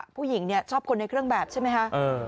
ผู้หญิงชอบคนในเครื่องแบบใช่ไหมคะ